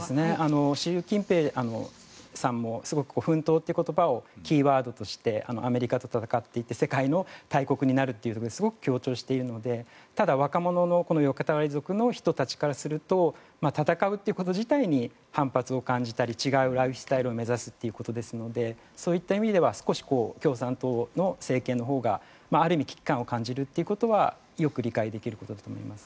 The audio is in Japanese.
習近平さんもすごく奮闘という言葉をキーワードとしてアメリカと戦っていて世界の大国になるというところですごく強調しているのでただ、若者の横たわり族の人たちからすると戦うということ自体に反発を感じたり違うライフスタイルを目指すということですのでそういった意味では少し共産党の政権のほうがある意味危機感を感じるということはよく理解できることだと思います。